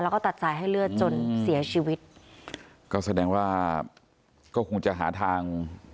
แล้วก็ตัดสายให้เลือดจนเสียชีวิตก็แสดงว่าก็คงจะหาทาง